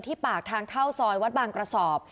ปากทางเข้าซอยวัดบางกระสอบ